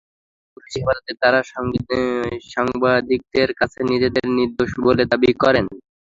তবে পুলিশি হেফাজতে তাঁরা সাংবাদিকদের কাছে নিজেদের নির্দোষ বলে দাবি করেন।